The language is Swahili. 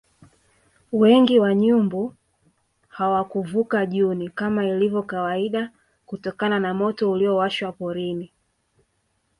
Wengi wa nyumbu hawakuvuka Juni kama ilivyo kawaida kutokana na moto uliowashwa porini